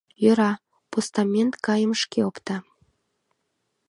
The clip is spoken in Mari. Йӧра, постамент гайым шке опта.